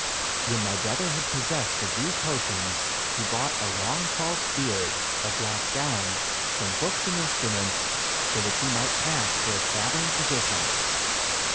When my brother had possession of these potions, he bought a long false beard, a black gown, some books and instruments, so that he might pass for a traveling physician.